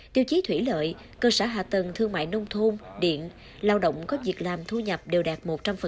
tiêu chí thủy lợi cơ sở hạ tầng thương mại nông thôn điện lao động có việc làm thu nhập đều đạt một trăm linh